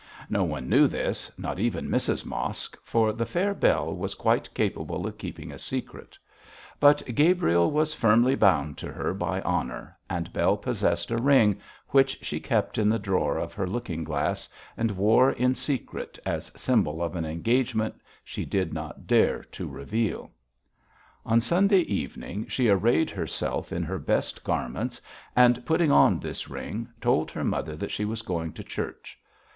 No one knew this, not even Mrs Mosk, for the fair Bell was quite capable of keeping a secret; but Gabriel was firmly bound to her by honour, and Bell possessed a ring, which she kept in the drawer of her looking glass and wore in secret, as symbolic of an engagement she did not dare to reveal. On Sunday evening she arrayed herself in her best garments, and putting on this ring, told her mother that she was going to church.